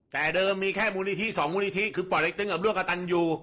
แต่เดิมมีแค่มูลนิธิสองมูลนิธิคือป่อเต็กตึงกับร่วมกระตันอยู่